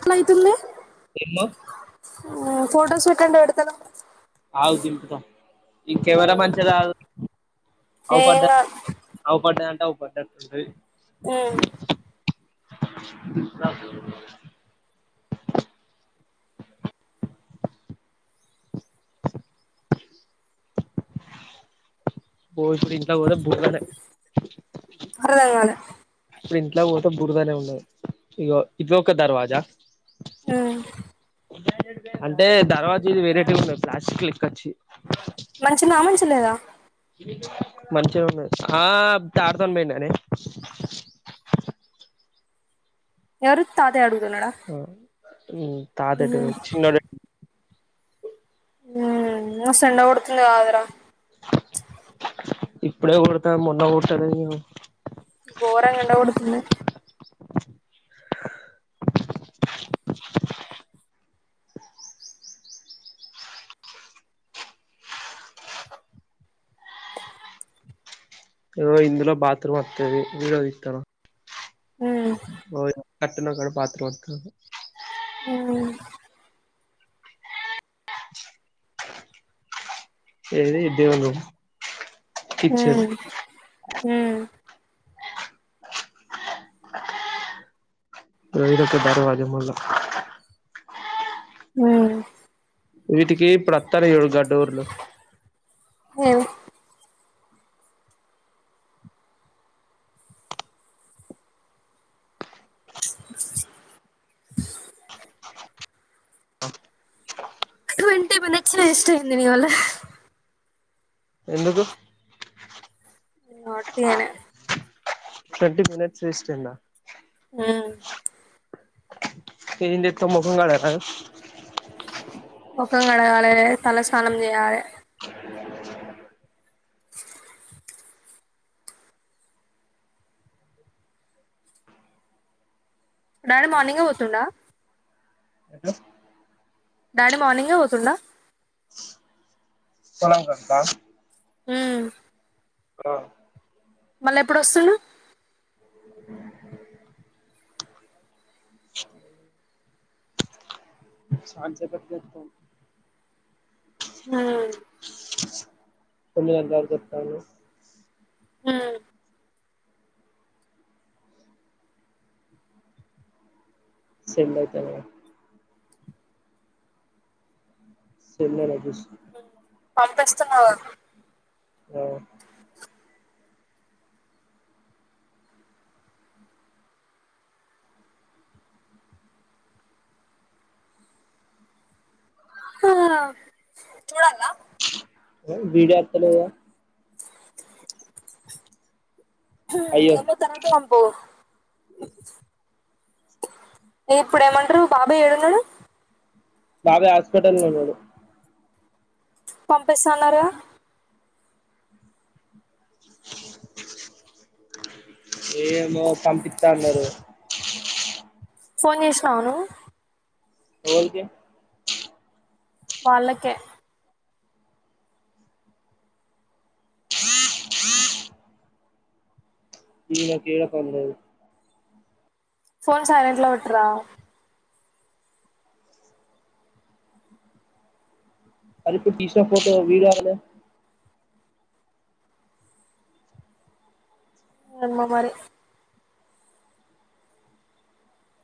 ఏమైతుంది ఏమో హు ఫొటోస్ పెట్టేంత పెడుత లేవు ఆగు దింపుతా ఈ కెమెరా మంచిగా రాదు అవుపడ్డ ఏం కాదు ఆవు పడ్డ ఆవు పడ్డట్టు ఉటాది హమ్ ద బో ఫంత పోద బోల [inaudible] అర్ధంకాలే ఇప్పుడు ఇంట్లో పోతే బురదనే ఉన్నది ఇగో ఇది ఒక దర్వాజా అ అంటే దర్వాజు వెరైటీ ఉన్నాయి ప్లాస్టిక్ లెక్కోచి [inaudible] మంచిగా ఉన్నా ఆ తాడుతం పోనే [inaudible] ఎవరు తాద ఆడుగు [inaudible] హమ్ తాతడు చిన్నడు [inaudible] మస్తు ఎండ కొడుతుంది కదర ఇప్పుడే కొడతా మొన్న కొట్టద గోరంగా ఎండా కొడుతుంది ఏదో ఇందులో బాత్రూమ్ వస్తుది వీడోది ఇస్తాను [inaudible] కట్టన కాడ పాత్రరువా కా [inaudible] హమ్ ఏది ఇ దేవళ [inaudible] హమ్ హమ్ ర రక బారవాజే మళ్లా [inaudible] ఆ వీటికి ఇప్పుడు ఓతనయి చూడు గా డోర్లు ఏవి ంటే మనచ్చిన ఇష్ట అయింది నవల [inaudible] ఎందుకు నటినే ట్వంటీ మినిట్స్ వేస్ట్ అయ్యిందా హమ్ ఏంట ఎతో ముొఖం కడరా [inaudible] మొకం కడగాలి తలస్నానం చేయాలి డాడీ మార్నింగే పోతుండ డాడి మార్నింగె పోతుండ కొనంంటా [inaudible] హమ్ ఆ మళ్ళా ఎప్పుడు వస్తులు ఆ చాన్ సేపటికి పట్తు ఊ కొన్ని అందాలు చెప్తాయి సిన్మ యూతన సమరా బుష్ పంపిస్తున్నావా ఆ చూడాలా విడియా అతలేదు కదా అయ్యో తమ తరద అంబు ఇప్పుడు ఏమంటారు బాబాయ్ ఏడున్నడు బాబే హాస్పటల్ లో వున్నాడు పంపిస్తాన్నారు గ [unintelligible] ఏమో పంపిసత అన్నారు ఫోన్ చేసినావ నువు ఏలికి వాళ్ళకే ఇనా కేడ పన్లేదు ఫోన్ సైలెంట్ లో వెట్రా అదిప్పు టీషర్ట్ ఫోట వీడ అ ఏమో మరి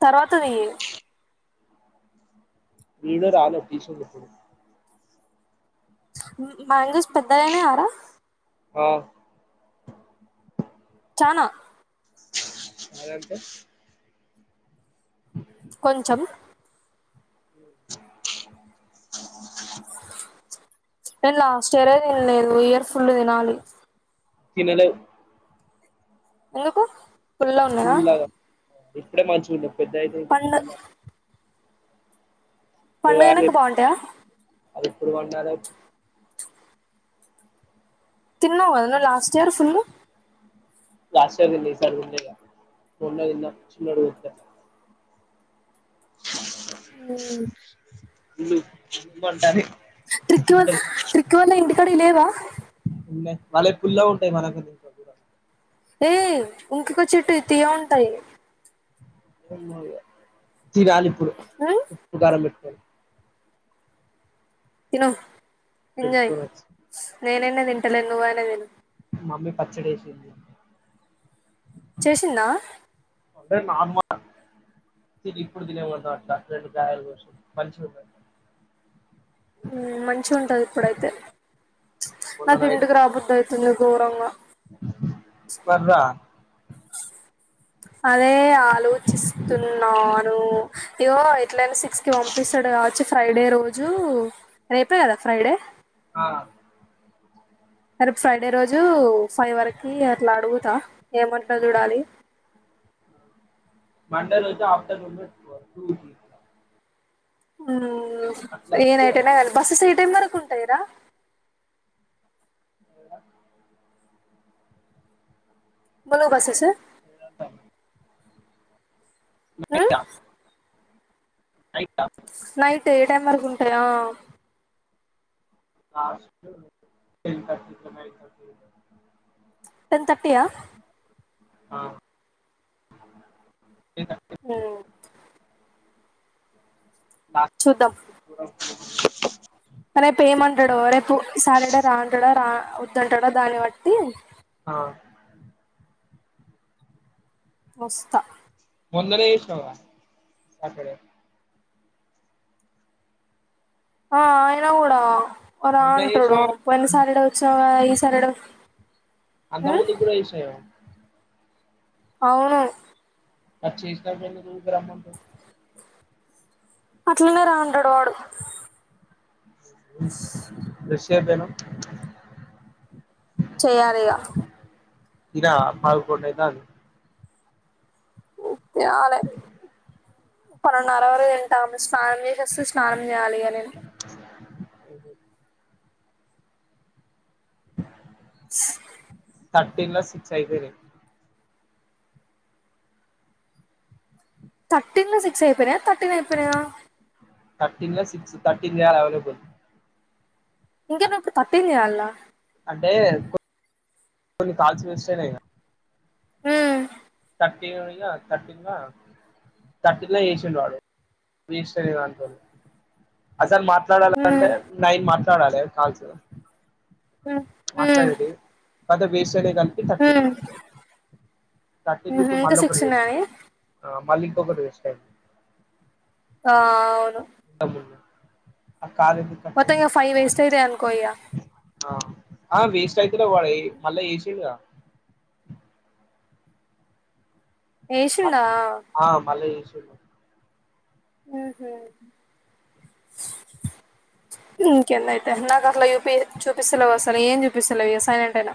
తర్వాత దియ్యి వీడురాలు తీషన్ ఇపుడు మ్యాంగోస్ పెద్దగానా ఆరా ఆ చానా అదంటే [inaudible] కొంచం [unintelligible] ఏం లాస్ట్ర తినలేదు ఇయర్ఫుల్లు తినాలి తినలేవు ఎందుకు ఫుల్ల ఉన్నద ఫుల్లాగా ఇప్పుడే మంచి ఉండ పెద్దయితే ఇంకా పుల్లగా పండుగైనాక బాగుంటాయా అది ఎప్పుడు వండాలే తిన్నవు కదా నువ్ last year full last year తిన్న ఈసారి తినలే ఇగ మొన్న తిన్న చినోడు పుట్టిన [unintelligible] ఇందు బంటది త్రిక్యవల్ త్రిక్యవల్ ఇంటికా లేవా వాళ్ళవి పుల్ల గ ఉంటాయి మనకంటే కొద్దిగ ఏయ ఇంకఒక చెట్టువి తీయగ ఉంటాయి ఏమో ఇగ తినాలి ఇప్పుడు ఉమ్ ఉప్పు కారం పెట్టుకొని తిను పెట్టుకోవచ్చు నేన్న తింటలేను నువ్వు ఆయన తిను మమ్మీ పచ్చడి చేసింది చేసిందా ఐతే మా అమ్మ ఇప్పుడు తిన్నెవడినటన అట్లా రెండు కాయలు కోసి మంచిగా మంచి ఉంటది ఇప్పుడైతే ప్చ్ నాకు ఇంటికి రా బుద్ధి ఔతుంది గోరంగ మరి రా [unintelligible] అదే ఆలోచిస్తున్నా హు ఇవో ఎట్లైనా సిక్స్ కి పంపిస్తడు కావొచ్చు ఫ్రైడే రోజు రేపే కదా ఫ్రైడే ఆ రేపు ఫ్రైడే రోజు ఫైవ్ వారికి అట్ల అడుగుత ఏమంటడో చూడాలి మండే రోజు ఆఫ్టర్నూన్ హమ్ ఏ అట్లయితే నైట్ అయినగాని బస్ ఏ టైమ్ వరకు టైరా అ బ్లూ బసేస ఆ నైట్ ఏ టెన్ వరకు వుంటయా లాస్ట్ టెన్ థర్టీ వరకు [unintelligible] టెన్ థర్టీ ఆ ఆ ఏ హమ్ లాస్ట్ చూద్దాం రేపు ఏమంటడో రేపు సటర్డే అ రా అంటాడు రా వదుంటాడ దాన్ని బట్టి హ వస్త. మొన్ననే చేసినవ్గా సాటర్డే ఆ ఐన కూడా వాడ్ రా మొన్న చేసినా అంటడు. పోయిన సాటర్డే వచ్చినవ్ గదా ఈ ఈ సాటర్డే అంతక్ ముందుక్ కూడా చేసినవ్ ఏమో అవును. [unintelligible] అట్లనే రా అంటడు వాడు దష్యాబెను చేయాలిగ. తిన్నవా పదకొండు అయితంది. తినాలే పన్నెండున్నర వరకు తింటా స్నానం చేసేస్త స్నానం చేయాలిగా నేను అఓ థర్టీన్ల సిక్స్ అయిపోయినయి. థర్టీన్ల సిక్స్ అయిపోయినయా తర్టీన్ అయిపోయినయా! థర్టీన్ల సిక్స్ థర్టీన్ చేయలే అవైలబుల్ ఇంకెందుకు థర్టీన్ చేయాలా ఏ కొ కొన్ని కాల్స్ మిస్సైనయిగా మ్ థర్టీన్ థర్టీన్ల థర్టీన్ల వేసిండు వాడు. అసల్ మాట్ ఉమ్ మాట్లాడాలంటే నైన్ మార్క్స్ మాట్లాడాలే కాల్స్ ఉమ్ ఉమ్ మాట్లాడేది. కద వేస్ ఇద్దరి కల్పి థర్టీన్ ఉమ్ ఇగ థర్టీన్ ఉహు ఇప్పుడు ఇంకా మళ్ళొకటి సిక్స్ వేస్ట్ ఉన్నాయని ఆహ్ మళ్ళింకొకటి వే ఎస్ ఆ అవును. [inaudible] కట్ మొత్తం అయింది ఇగ ఫైవ్ వేస్ట్టైయితై అనుకో ఇగ లిఫ్ట్ అయిలేవ్ [inaudible] మళ్ళ ఏసిండుగా ఏసిండా.. ఆ మళ్ళా చేసిండు ఉహు ఇంకేన్నైతే నాక్ అట్ల చూపియ చూపిస్తలేవ్ అసల్ ఏం చూపిస్తలేవ్ ఇగ సైలెంట్ అయిన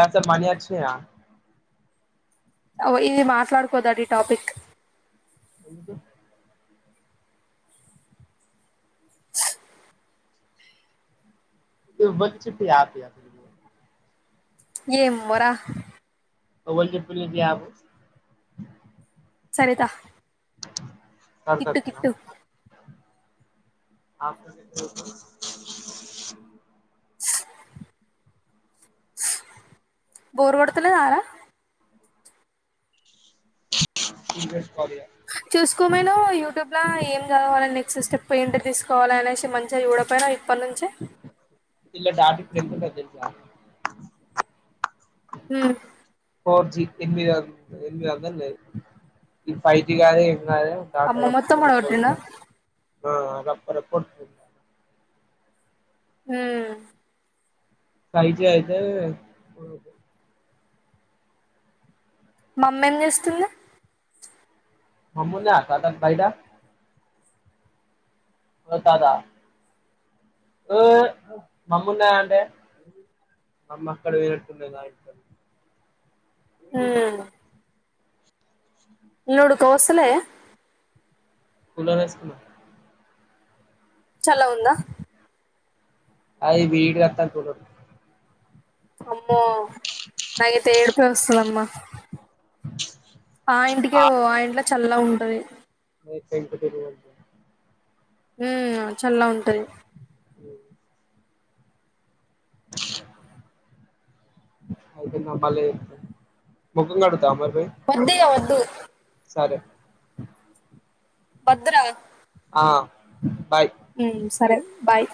ఆన్సర్ మనీ అచ్చినయా. ఆ ఓ ఇది మాట్లాడుకోదడి టాపిక్ ఎందు ఏ బచ్చీ పియా పియా థ ఏంమ్మోరా ఎవ్వల్ చెప్పిల్లు నీకి ఈ యాపు సరిత కిట్టు సరతక్కానా కిట్టు ఆహ్ బోరుగోడుతున్నాదారా ఇంకా చూస్కోమేను యూట్యూబ్లా ఏం జదవాల నెక్స్ట్ స్టెప్ ఏంటి తీస్ కోవాలనేసి మన్ చెయ్ చూడపోయిన ఇప్పన్నుంచి ఇల్ల డాడికి ఫ్రెండ్సుంటరు తెల్సా హ్మ్ ఫోర్ జీ ఎనిమిదొంద్ ఎనిమిది వందలు ఈ ఫై జీ కాద్ డాటా అమ్మ రొప్ప మొత్తం రొప్ప వడగొట్టిండా వస్తద్ ఆహ్ అ రప్ప రప్ప ఒత్కుంట హుం ఫై జీ అయితే మామ్మేం జేస్తుంది మమ్ముందాక్క బైట ఓ తాత ఓ మమ్మున్నదాంటే మమ్మక్కడ పోయినట్టునది ఊ నుడుకవోసలే కులారేస్కున్నా చళ్ళగుందా అయి వీడు కత అమ్మో నాగైతే ఏడుపే వస్తుందమ్మా అ ఆ ఇంటికేవో ఆ ఇంట్లో చల్ల ఉంటుంది పెంకుటిల్లు ఊ చల్లగుటంది అది మలే ముఖం కడుతా మరి పోయి వద్దు్య వద్దు సరే పదరా ఆ బాయ్ ఉ సరే బాయ్